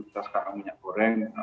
kita sekarang punya goreng